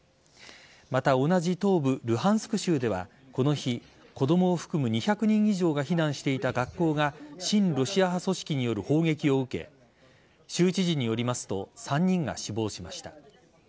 また同じ東部・ルハンスク州ではこの日子供を含む２００人以上が避難していた学校が親ロシア派組織による砲撃を受け州知事によりますと３人が死亡しました。